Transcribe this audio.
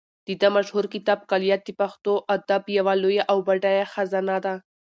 د ده مشهور کتاب کلیات د پښتو ادب یوه لویه او بډایه خزانه ده.